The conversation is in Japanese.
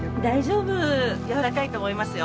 柔らかいと思いますよ。